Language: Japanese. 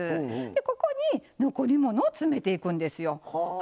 でここに残り物を詰めていくんですよ。